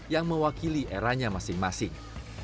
yang mewakili eranya masing masing